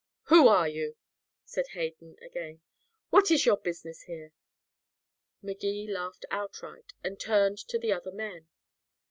"Who are you?" said Hayden again. "What is your business here?" Magee laughed outright, and turned to the other men.